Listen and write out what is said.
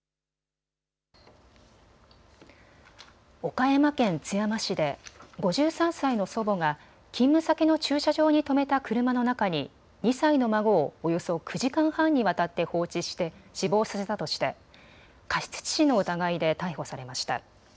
岡山県津山市で５３歳の祖母が勤務先の駐車場に止めた車の中に２歳の孫をおよそ９時間半にわたって放置して死亡させたとして過失致死の疑いで逮捕されました。